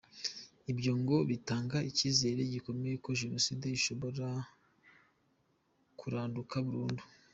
Ibyo ngo bitanga icyizere gikomeye ko Jenoside ishobora kuranduka burundu.